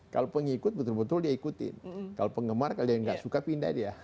kalau pengikut betul betul diikutin kalau penggemar kalian tidak suka pindah dia